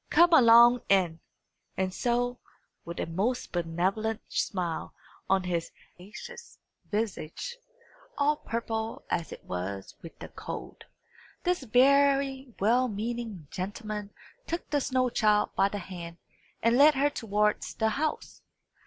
Come along in." And so, with a most benevolent smile on his sagacious visage, all purple as it was with the cold, this very well meaning gentleman took the snow child by the hand and led her towards the house.